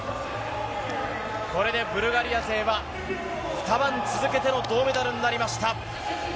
これでブルガリア勢は、２晩続けての銅メダルになりました。